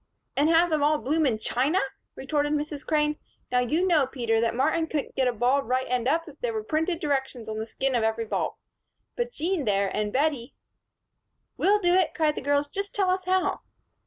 "And have them all bloom in China?" retorted Mrs. Crane. "Now you know, Peter, that Martin couldn't get a bulb right end up if there were printed directions on the skin of every bulb. But Jean there, and Bettie " "We'll do it," cried the girls. "Just tell us how."